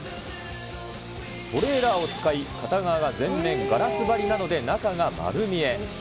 トレーラーを使い、片側が全面ガラス張りなので、中が丸見え。